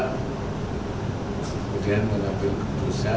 kemudian mengambil keputusan